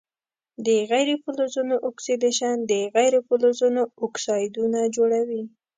د غیر فلزونو اکسیدیشن د غیر فلزونو اکسایدونه جوړوي.